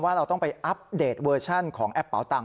เราต้องไปอัปเดตเวอร์ชันของแอปเป๋าตังค